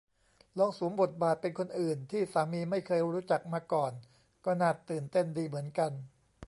ลองสวมบทบาทเป็นคนอื่นที่สามีไม่เคยรู้จักมาก่อนก็น่าตื่นเต้นดีเหมือนกัน